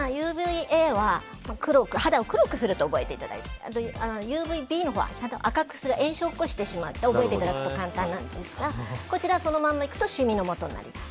ＵＶ‐Ａは肌を黒くすると覚えてもらってＵＶ‐Ｂのほうは赤くする炎症を起こしてしまうと覚えておくと簡単ですが、こちらはそのままいくとシミのもとになります。